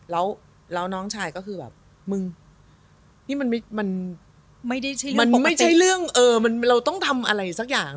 แล้วน้องชายก็คือแบบมึงนี่มันไม่ใช่เรื่องเราต้องทำอะไรสักอย่าง